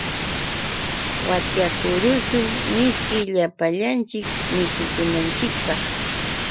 Watyakuruchuwan mishki llapanchik mikurunanchikpaq.